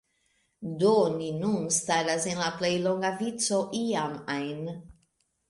Do, ni nun staras en la plej longa vico iam ajn